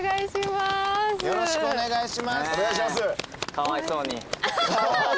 かわいそうに？